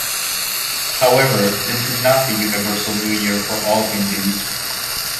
However, this is not the universal new year for all Hindus.